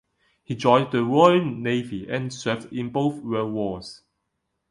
He joined the Royal Navy and served in both World Wars.